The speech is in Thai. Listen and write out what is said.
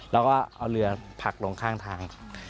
แล้วก็เอาเรือผลักลงข้างทาง